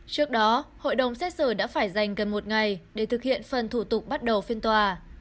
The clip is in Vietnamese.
trước đó hội đồng xét xử đã phải dành gần một ngày để thực hiện phần thủ tục bắt đầu phiên tòa